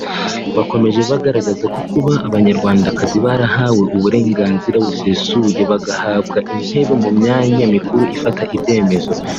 Bakomeje bagaragaza ko kuba Abanyarwandakazi barahawe uburenganzira busesuye bagahabwa intebe mu myanya mikuru ifata ibyemezo